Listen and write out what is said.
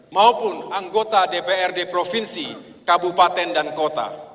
maupun anggota dpr di provinsi kabupaten dan kota